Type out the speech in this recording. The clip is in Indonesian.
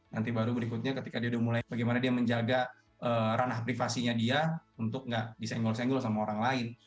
nanti baru berikutnya ketika dia udah mulai bagaimana dia menjaga ranah privasinya dia untuk gak disenggol senggol sama orang lain